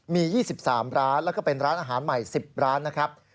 มี๒๓ร้านแล้วก็เป็นร้านอาหารใหม่๑๐ร้านนะครับ